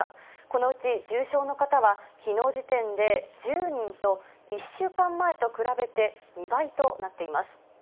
このうち重症の方は、きのう時点で１０人と、１週間前と比べて２倍となっています。